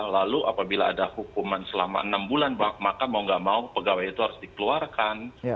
lalu apabila ada hukuman selama enam bulan maka mau gak mau pegawai itu harus dikeluarkan